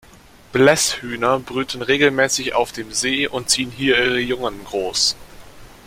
Blässhühner brüten regelmäßig auf dem See und ziehen hier ihre Jungen groß.